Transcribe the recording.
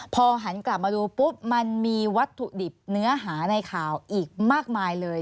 พอหันกลับมาดูปุ๊บมันมีวัตถุดิบเนื้อหาในข่าวอีกมากมายเลย